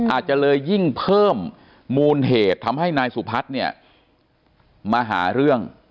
อาจจะเลยยิ่งเพิ่มมูลเหตุทำให้นายสุพัฒน์เนี่ยมาหาเรื่อง